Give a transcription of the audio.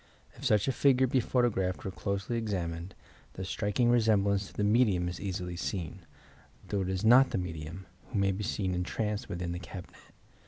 If such a figure be photographed or closely examined, the Btriking resemblance to the medium is easily seen, though it is not the medium, who may be seen entranced witliin the cabinet.